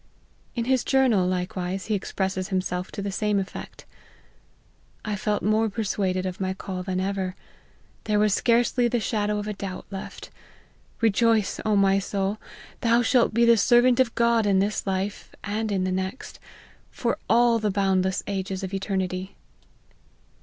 In his Journal, likewise, he expresses himself to the same effect :" I felt more persuaded of my call than ever : there was scarcely the shadow of a doubt left; rejoice. O my soul, thou shalt be the servant of God in this life, and in the next, for all the boundless ages of eternity."